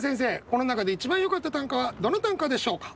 この中で一番よかった短歌はどの短歌でしょうか？